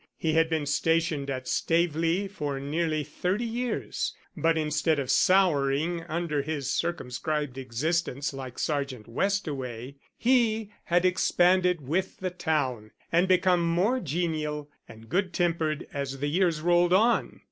He had been stationed at Staveley for nearly thirty years, but instead of souring under his circumscribed existence like Sergeant Westaway, he had expanded with the town, and become more genial and good tempered as the years rolled on.